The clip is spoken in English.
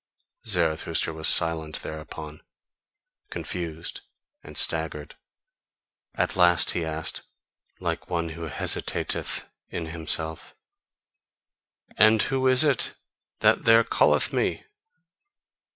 Zarathustra was silent thereupon, confused and staggered; at last he asked, like one who hesitateth in himself: "And who is it that there calleth me?"